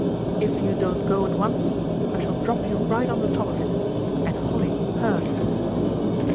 "If you don't go at once I shall drop you right on the top of it, and holly hurts."